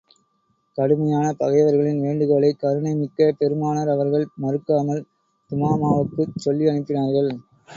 கடுமையான பகைவர்களின் வேண்டுகோளை, கருணை மிக்க பெருமானார் அவர்கள் மறுக்காமல், துமாமாவுக்குச் சொல்லி அனுப்பினார்கள்.